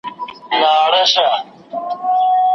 ګوندي له مُلا څخه آذان د سهار وتښتي